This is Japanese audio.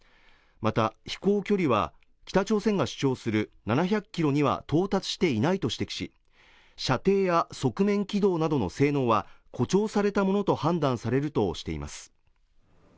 また飛行距離は北朝鮮が主張する７００キロには到達していないと指摘し射程や側面機動などの性能は誇張されたものと判断されるとしています